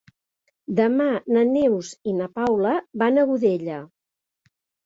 Demà na Neus i na Paula van a Godella.